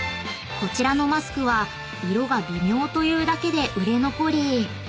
［こちらのマスクは色が微妙というだけで売れ残り］